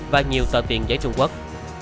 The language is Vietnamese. và nhiều tờ tiền giấy trung quốc